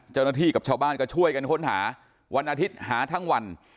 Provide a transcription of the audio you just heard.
เจ้าหน้าที่กับชาวบ้านก็ช่วยกันค้นหาวันอาทิตย์หาทั้งวัน